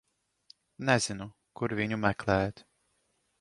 Nezinu, kur viņu meklēt.